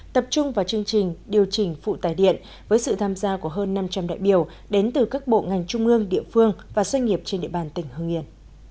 tập trung vào chương trình điều chỉnh phụ tài điện với sự tham gia của hơn năm trăm linh đại biểu đến từ các bộ ngành trung ương địa phương và doanh nghiệp trên địa bàn tỉnh hương yên